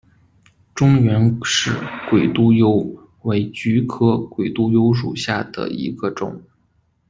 中原氏鬼督邮为菊科鬼督邮属下的一个种。